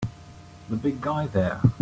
The big guy there!